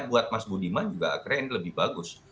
buat mas budiman juga akhirnya ini lebih bagus